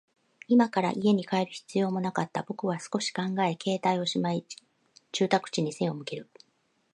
今から家に帰る必要もなかった。僕は少し考え、携帯をしまい、住宅地に背を向ける。